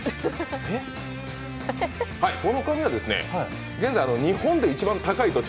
この紙は現在、日本で一番高い土地